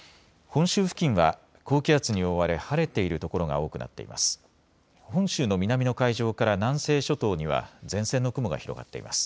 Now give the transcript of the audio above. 本州付近は高気圧に覆われ晴れている所が多くなっています。